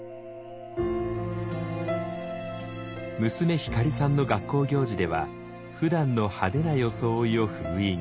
娘ひかりさんの学校行事ではふだんの派手な装いを封印。